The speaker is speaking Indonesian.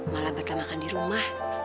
malah mereka makan di rumah